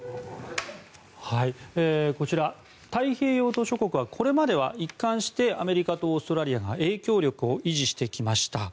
島しょ国はこれまでは一貫してアメリカとオーストラリアが影響力を維持してきました。